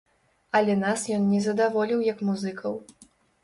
Але нас ён не задаволіў як музыкаў.